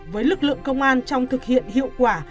với lực lượng công an trong thực hiện hiệu quả